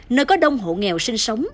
nơi có đông hộ nghèo sinh sống